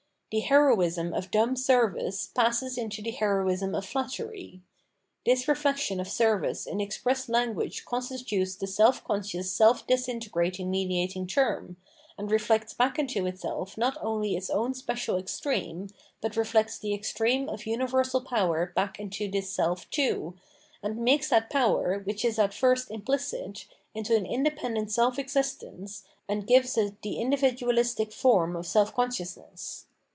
Thp heroism of dumb service 516 Phenomenology of Mind passes into the heroism of flattery. This reflection of service in express language constitutes the self conscious self disintegrating mediating term, and re flects back into itseh not only its own special extreme, but reflects the extreme of universal power back into this self too, and makes that power, which is at first implicit, into an independent self existence, and gives it the individualistic form of self consciousness.